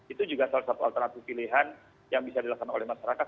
itu juga salah satu alternatif pilihan yang bisa dilakukan oleh masyarakat